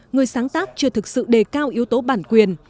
người sáng tác chưa thực sự đề cao yếu tố bản quyền